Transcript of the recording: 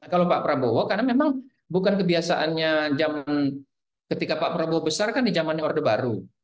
kalau pak prabowo karena memang bukan kebiasaannya zaman ketika pak prabowo besar kan di zamannya orde baru